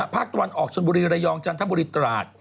ภาคตะวันออกชนบุรีระยองจันทบุรีตราด